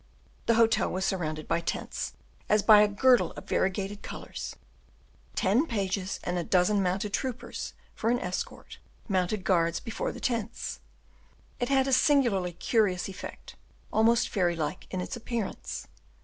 The hotel was surrounded by tents, as by a girdle of variegated colors; ten pages and a dozen mounted troopers, for an escort, mounted guard before the tents. It had a singularly curious effect, almost fairy like in its appearance.